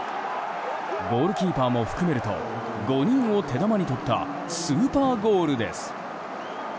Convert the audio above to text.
ゴールキーパーも含めると５人を手玉に取ったスーパーゴールです。